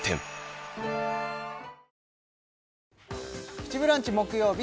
「プチブランチ」木曜日